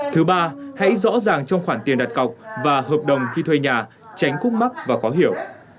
thứ ba hãy rõ ràng trong khoản tiền đặt cọc và hợp đồng khi thuê nhà tránh cúc mắc và khó hiểu